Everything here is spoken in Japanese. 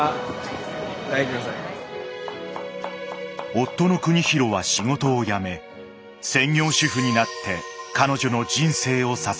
夫の邦博は仕事を辞め専業主夫になって彼女の人生を支えた。